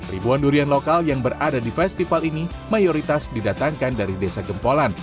ribuan durian lokal yang berada di festival ini mayoritas didatangkan dari desa gempolan